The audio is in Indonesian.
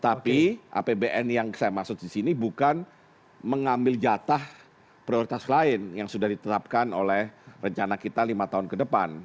tapi apbn yang saya maksud di sini bukan mengambil jatah prioritas lain yang sudah ditetapkan oleh rencana kita lima tahun ke depan